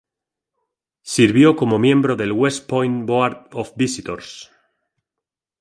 Sirvió como miembro del "West Point Board of Visitors".